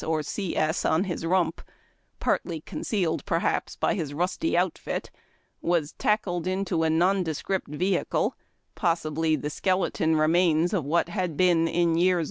or C. S. on his rump, partly concealed perhaps by his rusty oufit, was tackled into a nondescript vehicle, possibly the skeleton remains of what had been, in years GOING TO ARMY IIEADQU AHTEHS.